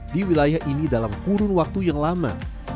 di wilayah ini dalam kurun waktu yang lama